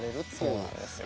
そうなんですよ。